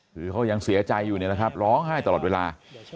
คือเขายังเสียใจอยู่เนี่ยนะครับร้องไห้ตลอดเวลา